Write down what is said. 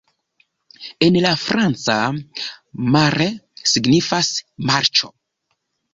En la franca, "Marais" signifas "marĉo".